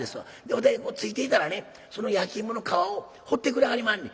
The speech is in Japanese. わたいついていったらねその焼き芋の皮をほってくれはりまんねん。